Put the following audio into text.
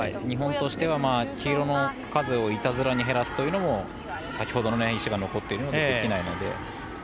日本としては黄色の数をいたずらに減らすことも先ほどの石が残っているのでできないので。